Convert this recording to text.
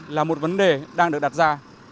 là một vấn đề đang được đặt ra